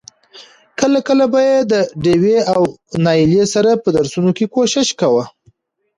کله کله به يې د ډېوې او نايلې سره په درسونو کې کوشش کاوه.